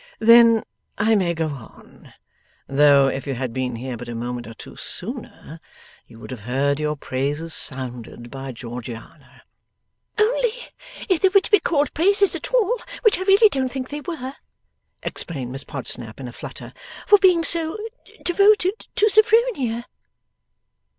'Then I may go on though if you had been here but a moment or two sooner, you would have heard your praises sounded by Georgiana.' 'Only, if they were to be called praises at all which I really don't think they were,' explained Miss Podsnap in a flutter, 'for being so devoted to Sophronia.